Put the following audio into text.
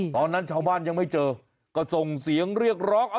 ตอนนั้นชาวบ้านยังไม่เจอก็ส่งเสียงเรียกร้อง